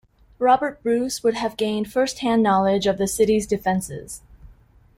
Robert Bruce would have gained first-hand knowledge of the city's defences.